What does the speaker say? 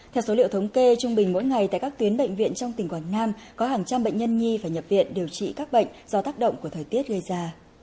theo số liệu thống kê trung bình mỗi ngày tại các tuyến bệnh viện trong tỉnh quảng nam có hàng trăm bệnh nhân nhi phải nhập viện điều trị các bệnh do tác động của thời tiết gây ra